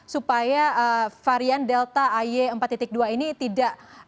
supaya varian delta ay empat dua ini tidak